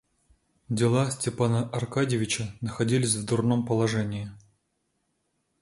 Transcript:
Дела Степана Аркадьича находились в дурном положении.